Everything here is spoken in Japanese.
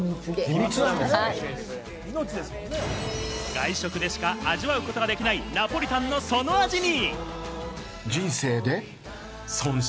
外食でしか味わうことができないナポリタンのその味に。